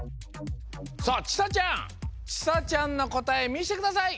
さあちさちゃんちさちゃんのこたえみしてください！